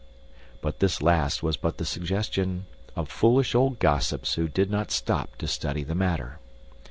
But this last was but the suggestion of foolish old gossips who did not stop to study the matter.